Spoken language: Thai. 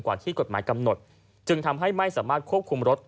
ที่กฎหมายกำหนดจึงทำให้ไม่สามารถควบคุมรถ